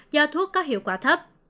do thuốc có hiệu quả thấp